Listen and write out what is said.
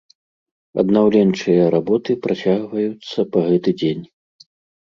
Аднаўленчыя работы працягваюцца па гэты дзень.